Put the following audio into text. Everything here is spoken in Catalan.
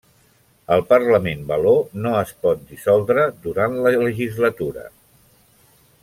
El Parlament való no es pot dissoldre durant la legislatura.